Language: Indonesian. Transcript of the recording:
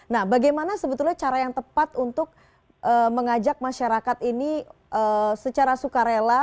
nah bagaimana sebetulnya cara yang tepat untuk mengajak masyarakat ini secara sukarela